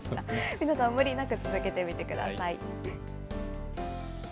皆さん、無理なく続けてみてください。